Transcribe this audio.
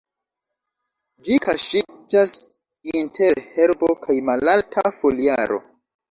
Ĝi kaŝiĝas inter herbo kaj malalta foliaro.